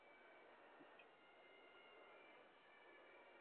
De hecho, hay algunas formas de salud.